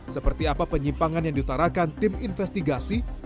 seperti apa penyimpangan yang diutarakan tim investigasi